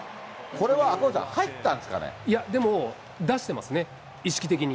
これは赤星さん、入ったんですかいや、でも出してますね、意識的に。